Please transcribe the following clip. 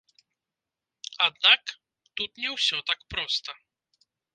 Аднак, тут не ўсё так проста.